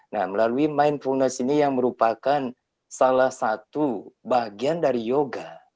nah melalui mindfulness ini yang merupakan salah satu bagian dari yoga